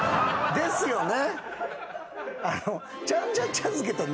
ですよね。